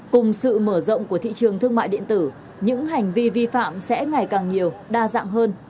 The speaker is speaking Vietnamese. cùng sự mở rộng của thị trường thương mại điện tử những hành vi vi phạm sẽ ngày càng nhiều đa dạng hơn